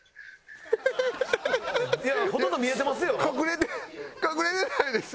ほとんど見えてますよ。